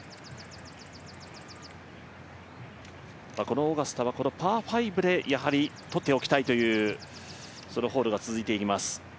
このオーガスタはパー５でとっておきたいというホールが続いていきます。